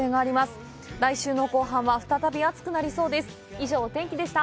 以上、お天気でした。